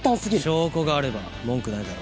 証拠があれば文句ないだろ。